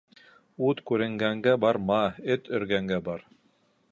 Ут күренгәнгә барма, эт өргәнгә бар.